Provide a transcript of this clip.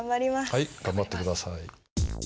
はい頑張って下さい。